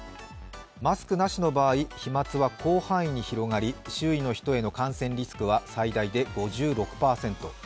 マスクなしの場合、飛まつは広範囲に広がり周囲の人への感染リスクは最大で５６％。